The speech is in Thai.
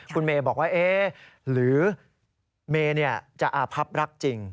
คุณเมย์บอกว่าหรือเมย์จะอาพับรักจริง